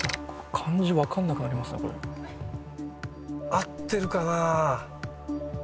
合ってるかな？